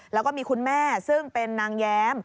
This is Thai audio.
แล้วก็มีคุณแม่ซึ่งเป็นนางแย้ม